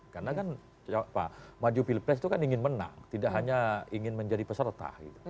karena kan maju pilpres itu kan ingin menang tidak hanya ingin menjadi peserta